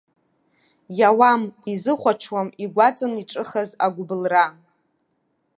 Иауам, изыхәаҽуам игәаҵан иҿыхаз агәыблра.